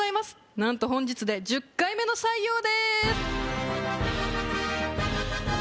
なんと本日で１０回目の採用です